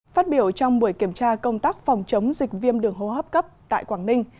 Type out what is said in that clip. phát biểu trong buổi kiểm tra công tác phòng chống dịch viêm đường hô hấp cấp tại quảng ninh